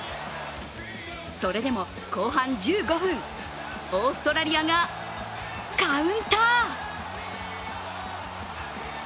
それでも後半１５分、オーストラリアがカウンター。